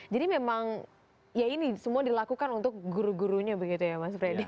jadi memang ya ini semua dilakukan untuk guru gurunya begitu ya mas freddy